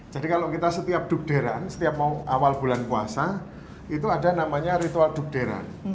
jadi kalau kita setiap dukderan setiap mau awal bulan puasa itu ada namanya ritual dukderan